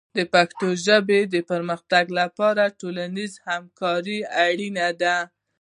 د پښتو ژبې د پرمختګ لپاره ټولنیز همکاري اړینه ده.